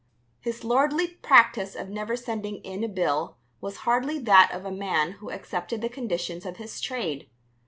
His lordly practice of never sending in a bill was hardly that of a man who accepted the conditions of his trade.